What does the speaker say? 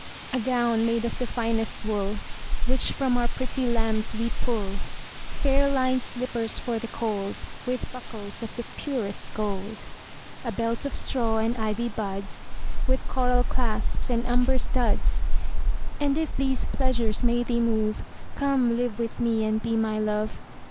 A gown made of the finest wool Which from our pretty lambs we pull; Fair linèd slippers for the cold, 15 With buckles of the purest gold. A belt of straw and ivy buds With coral clasps and amber studs: And if these pleasures may thee move, Come live with me and be my Love.